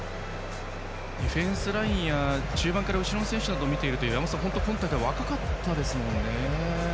ディフェンスラインや中盤から後ろの選手を見ていると山本さん、本当に今大会は若かったですもんね。